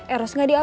eros gak dipercaya